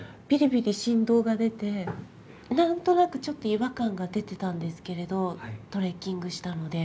何となくちょっと違和感が出てたんですけれどトレッキングしたので。